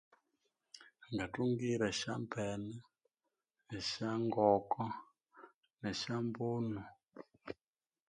Ngathungire esya mbene, esya ngoko, ne syambuno.